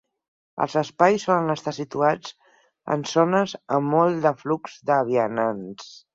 Els espais solen estar situats en zones amb molt de flux de vianants.